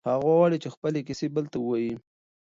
هغه غواړي چې خپلې کیسې بل ته ووایي.